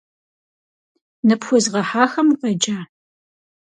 Ныпхуезгъэхьахэм укъеджа?